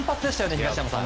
東山さん。